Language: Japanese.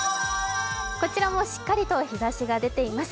こちらもしっかりと日ざしが出ています。